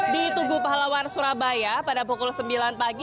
di tugu pahlawan surabaya pada pukul sembilan pagi